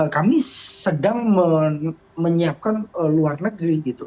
kami sedang menyiapkan luar negeri gitu